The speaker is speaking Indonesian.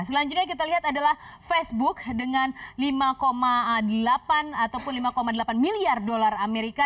selanjutnya kita lihat adalah facebook dengan lima delapan miliar dolar amerika